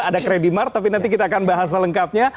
ada kredimart tapi nanti kita akan bahas selengkapnya